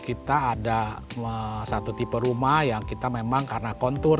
kita ada satu tipe rumah yang kita memang karena kontur